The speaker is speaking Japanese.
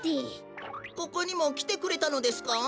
ここにもきてくれたのですか？